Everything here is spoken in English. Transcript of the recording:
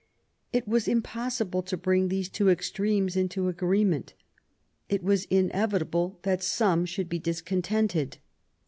It was impossible to bring these two ex tremes into agreement ; it was inevitable that some should be discontented.